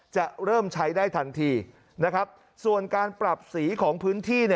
จะเริ่มใช้ได้ทันทีนะครับส่วนการปรับสีของพื้นที่